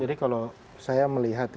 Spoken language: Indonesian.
jadi kalau saya melihatnya